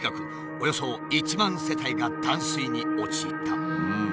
およそ１万世帯が断水に陥った。